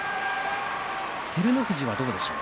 照ノ富士は、どうでしょうか。